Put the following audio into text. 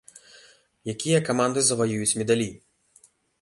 Якія каманды заваююць медалі?